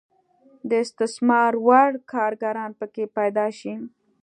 د استثمار وړ کارګران پکې پیدا شي.